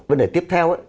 vấn đề tiếp theo